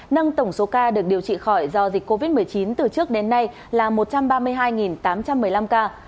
nâng tổng số ca được điều trị khỏi do dịch covid một mươi chín từ trước đến nay là một trăm ba mươi hai tám trăm một mươi năm ca